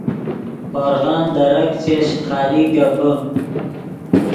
ہورغن درک چش خالی گپے